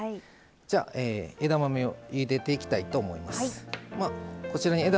じゃあ、枝豆を入れていきたいと思います。